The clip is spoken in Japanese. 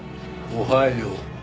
おはよう。